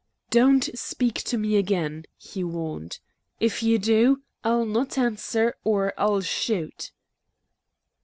"Don't speak to me again," he warned. "If you do, I'll not answer, or I'll shoot!"